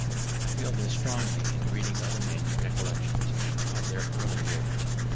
I feel this strongly in reading other men's recollections of their early years.